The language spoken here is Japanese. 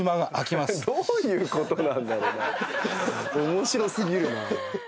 面白過ぎるな。